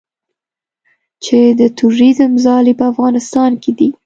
چې د تروریزم ځالې په افغانستان کې دي